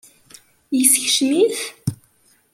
Yeskcem-it?